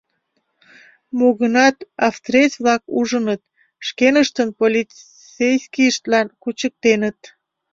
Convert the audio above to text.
Мо гынат австриец-влак ужыныт, шкеныштын полицейскийыштлан кучыктеныт.